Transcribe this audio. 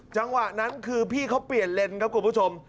จังหวะนั้นคือพี่เขาเปลี่ยนเลนส์ครับคุณผู้ชม